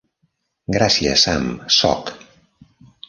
Gràcies, Sam-sóc.